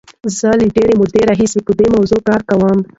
زه له ډېرې مودې راهیسې په دې موضوع کار کوم.